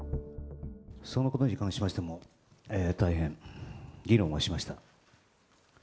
そのことに関しましても、大変、議論はしました。